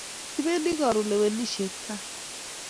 kipendi karun lewenishet gaa